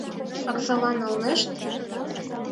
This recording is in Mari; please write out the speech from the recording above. — Оксала налнешт?!